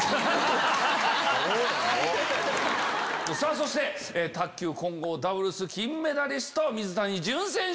そして卓球混合ダブルス金メダリスト水谷隼選手。